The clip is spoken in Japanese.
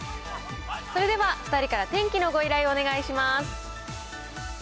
それでは２人から天気のご依頼、お願いします。